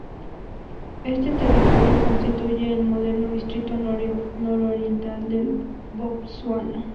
Este territorio constituye el moderno distrito nororiental de Botsuana.